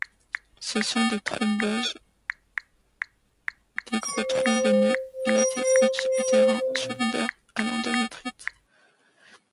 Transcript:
Ce sont des thromboses des gros troncs veineux latéro-utérins secondaires à l’endométrite.